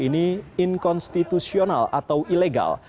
ini inkonstitusional atau ilegal